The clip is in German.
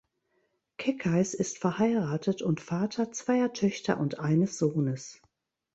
Keckeis ist verheiratet und Vater zweier Töchter und eines Sohnes.